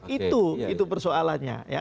itu itu persoalannya